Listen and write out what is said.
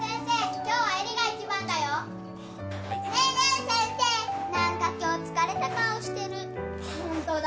今日はエリが一番だよねえ先生なんか今日疲れた顔してるほんとだ